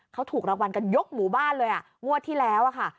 เขาถูกรางวัลกันยกหมู่บ้านเลยอ่ะงวดที่แล้วค่ะ